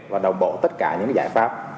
và đồng bộ tất cả những giải pháp